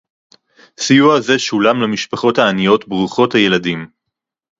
סיוע זה שולם למשפחות העניות ברוכות הילדים